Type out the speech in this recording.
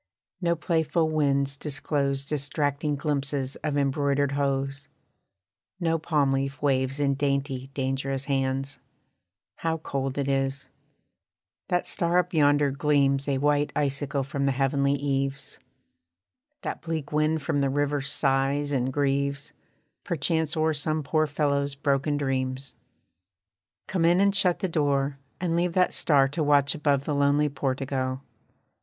No playful winds disclose Distracting glimpses of embroidered hose: No palm leaf waves in dainty, dangerous hands. How cold it is! That star up yonder gleams A white ice sickle from the heavenly eaves. That bleak wind from the river sighs and grieves, Perchance o'er some poor fellow's broken dreams. Come in, and shut the door, and leave that star To watch above the lonely portico.